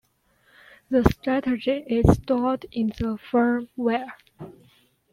The strategy is stored in the firmware.